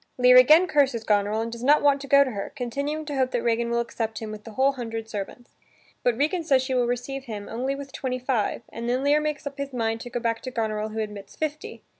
Lear again curses Goneril and does not want to go to her, continuing to hope that Regan will accept him with the whole hundred servants. But Regan says she will receive him only with twenty five and then Lear makes up his mind to go back to Goneril who admits fifty.